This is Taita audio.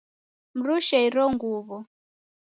Mrushe iro nguw'o